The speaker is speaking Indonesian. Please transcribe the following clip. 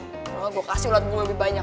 kalau enggak gue kasih ulat bulu lebih banyak